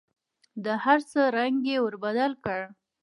د هر څه رنګ یې ور بدل کړ .